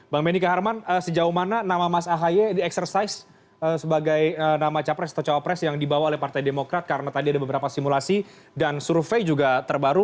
bang benny kaharman sejauh mana nama mas ahaye di exercise sebagai nama capres atau cawapres yang dibawa oleh partai demokrat karena tadi ada beberapa simulasi dan survei juga terbaru